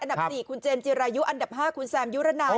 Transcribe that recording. อันดับสี่คุณเจมส์จิรายุอันดับห้าคุณแซมยุรนัท